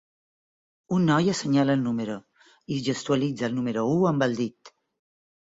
Un noi assenyala el número i gestualitza el número u amb el dit.